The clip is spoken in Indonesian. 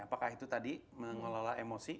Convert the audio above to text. apakah itu tadi mengelola emosi